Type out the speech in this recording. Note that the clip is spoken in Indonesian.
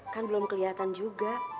kan belum keliatan juga